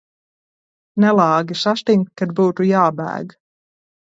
Nelāgi sastingt, kad būtu jābēg.